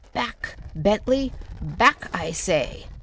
"Back, Bentley! Back, I say!